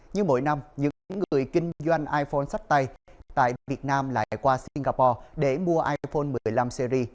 như mỗi năm những người kinh doanh iphone sắp tay tại việt nam lại qua singapore để mua iphone một mươi năm series